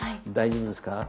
大丈夫ですか？